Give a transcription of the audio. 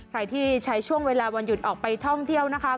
ใครที่ใช้ช่วงเวลาวันหยุดออกไปท่องเที่ยวนะคะ